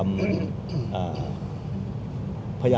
หมอบรรยาหมอบรรยา